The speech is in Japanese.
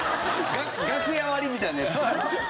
楽屋割りみたいなやつ。